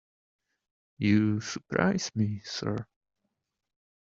You surprise me, sir.